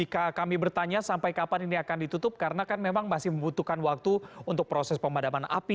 jika kami bertanya sampai kapan ini akan ditutup karena kan memang masih membutuhkan waktu untuk proses pemadaman api